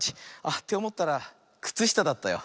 っておもったらくつしただったよ。